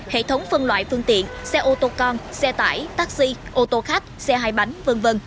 hệ thống phân loại phương tiện xe ô tô con xe tải taxi ô tô khách xe hài bánh v v